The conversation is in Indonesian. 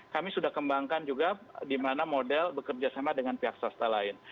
kami sudah kembangkan juga di mana model bekerjasama dengan pihak swasta lain